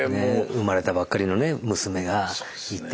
生まれたばっかりのね娘がいて。